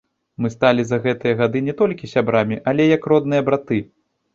Мы сталі за гэтыя гады не толькі сябрамі, але як родныя браты.